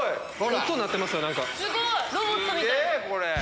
これ。